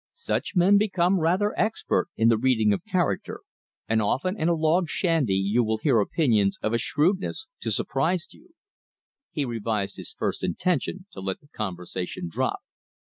Such men become rather expert in the reading of character, and often in a log shanty you will hear opinions of a shrewdness to surprise you. He revised his first intention to let the conversation drop.